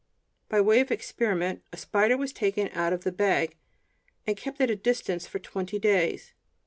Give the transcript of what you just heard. By way of experiment, a spider was taken out of the bag, and kept at a distance for twenty days.